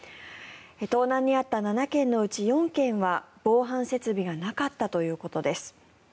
盗難に遭った７件のうち４件は防犯設備がなかったということです。